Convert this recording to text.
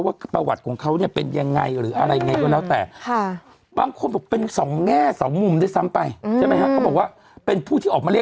ว่าประวัติของเค้าเนี่ยเป็นยังไงอะไรยังไงด้วยแล้วแต่